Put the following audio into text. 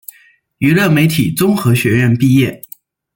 娱乐媒体综合学院毕业。